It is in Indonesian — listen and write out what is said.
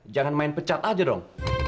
jangan main pecat aja dong